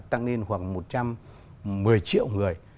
tăng lên khoảng một trăm một mươi triệu người